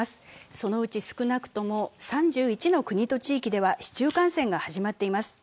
そのうち少なくとも３１の国と地域では市中感染が始まっています。